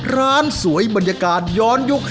ร้านสวยบรรยากาศย้อนยุค